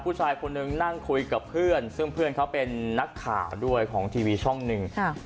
ผู้ชายคนนึงนั่งคุยกับเพื่อนซึ่งเพื่อนเขาเป็นนักข่าวด้วยของทีวีช่องหนึ่ง